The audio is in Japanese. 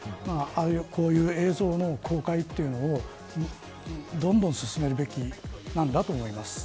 こういう映像の公開というのをどんどん進めるべきなんだと思います。